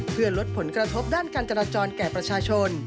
เพื่อลดผลกระทบด้านการจราจรแก่ประชาชน